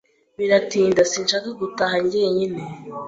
Biratinda. Sinshaka gutaha jyenyine.